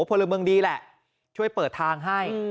พลเมืองดีแหละช่วยเปิดทางให้